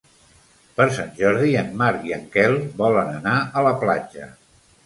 Per Sant Jordi en Marc i en Quel volen anar a la platja.